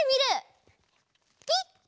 ピッ！